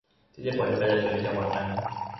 ที่จะเปิดให้ประชาชนในจังหวัดนั้น